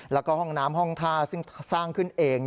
แล้วก็ห้องน้ำห้องท่าซึ่งสร้างขึ้นเอง